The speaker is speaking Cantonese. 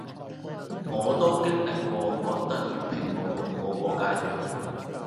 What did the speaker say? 我都經歷過覺得粵拼冇用箇個階段